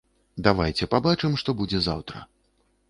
Давайце пабачым, што будзе заўтра.